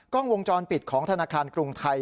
กล้องวงจรปิดของธนาคารกรุงไทย